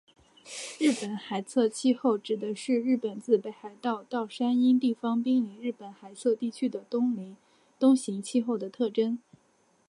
日本海侧气候指的是日本自北海道到山阴地方滨临日本海侧地区的冬型气候的特征。